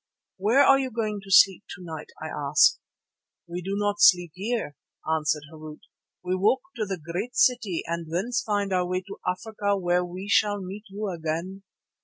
"Where are you going to sleep to night?" I asked. "We do not sleep here," answered Harût, "we walk to the great city and thence find our way to Africa, where we shall meet you again.